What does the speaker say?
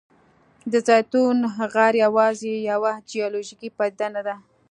د زیتون غر یوازې یوه جیولوجیکي پدیده نه ده.